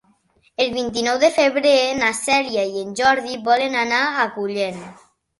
El vint-i-nou de febrer na Cèlia i en Jordi volen anar a Agullent.